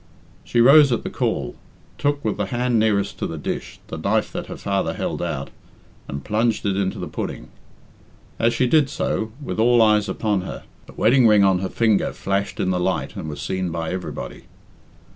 She rose at the call, took, with the hand nearest to the dish, the knife that her father held out, and plunged it into the pudding. As she did so, with all eyes upon her, the wedding ring on her finger flashed in the light and was seen by everybody.